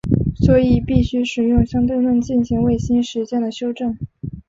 所以必须使用相对论进行卫星时间的修正。